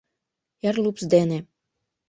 - Эр лупс дене.